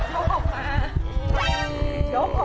โดดออกมาโดบออกมานังหนู